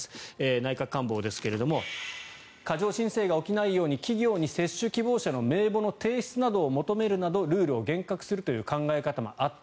内閣官房ですが過剰申請が起きないように企業に接種希望者の名簿の提出などを求めるなどルールを厳格化するという考え方もあった。